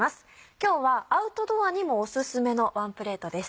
今日はアウトドアにもオススメのワンプレートです。